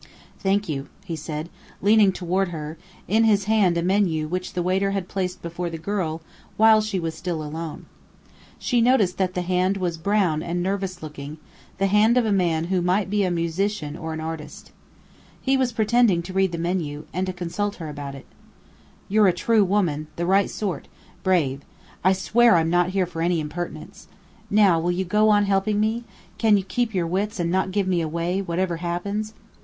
"Thank you," he said, leaning toward her, in his hand a menu which the waiter had placed before the girl while she was still alone. She noticed that the hand was brown and nervous looking, the hand of a man who might be a musician or an artist. He was pretending to read the menu, and to consult her about it. "You're a true woman, the right sort brave. I swear I'm not here for any impertinence. Now, will you go on helping me? Can you keep your wits and not give me away, whatever happens?"